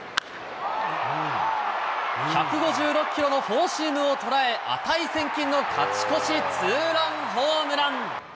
１５６キロのフォーシームを捉え、値千金の勝ち越しツーランホームラン！